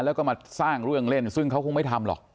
แล้วก็มาสร้างเรื่องเล่นซึ่งเขาคงไม่ทำหรอก